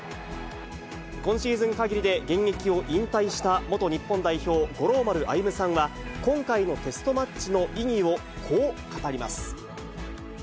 今シーズンかぎりで現役を引退した元日本代表、五郎丸歩さんは、今回のテストマッチの意義をこう語ります。